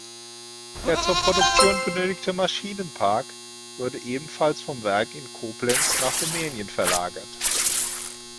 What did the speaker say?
Der zur Produktion benötigte Maschinenpark wurde ebenfalls vom Werk in Koblenz nach Rumänien verlagert.